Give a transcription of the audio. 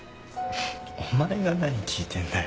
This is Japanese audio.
お前が何聞いてんだよ。